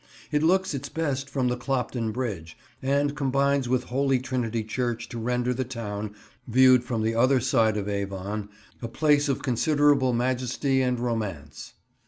It looks its best from the Clopton Bridge, and combines with Holy Trinity church to render the town, viewed from the other side of the Avon, a place of considerable majesty and romance.